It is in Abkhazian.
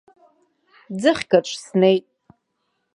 Ӡыхьк аҿы снеит.